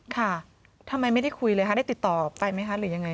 ค่ะทำไมไม่ได้คุยเลยค่ะได้ติดต่อไปไหมคะหรือยังไง